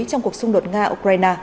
trong cuộc xung đột nga